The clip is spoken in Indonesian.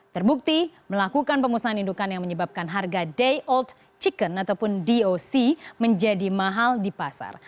terbukti melakukan pemusnahan indukan yang menyebabkan harga day old chicken ataupun doc menjadi mahal di pasar